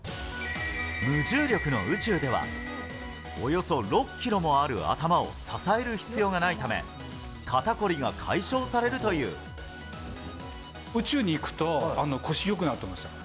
無重力の宇宙では、およそ６キロもある頭を支える必要がないため、肩凝りが解消され宇宙に行くと、腰よくなると思いますよ。